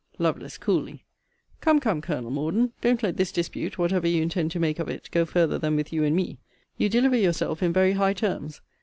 Lovel. (coolly) Come, come, Col. Morden, don't let this dispute, whatever you intend to make of it, go farther than with you and me. You deliver yourself in very high terms.